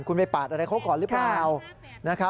คุณไปปาดอะไรเขาก่อนหรือเปล่า